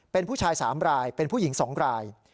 เป็นผู้ชาย๓รายเป็นผู้หญิง๒ราย